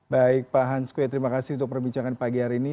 baik pak hans kue terima kasih untuk perbincangan pagi hari ini